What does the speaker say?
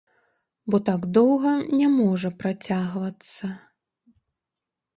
Бо так доўга не можа працягвацца.